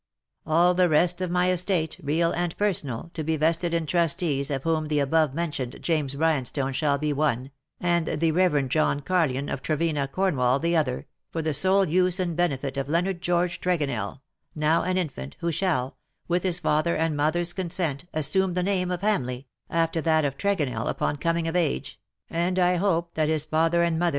" All the rest of my estate, real and personal, to be vested in trustees, of whom the above mentioned James Bryanstone shall be one, and the Rev. John Carlyon, of Trevena, Cornwall, the other, for the sole use and benefit of Leonard George Tregonell, now an infant, who shall, with his father and mother's consent, assume the name of Hamleigh after that of Tregonell upon coming of age, and I hope that his father and mother 70 ^'dust to dust."